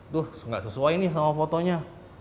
tuh nggak sesuai nih sama fotonya